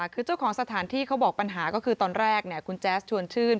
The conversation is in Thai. คือเจ้าของสถานที่เขาบอกปัญหาก็คือตอนแรกคุณแจ๊สชวนชื่น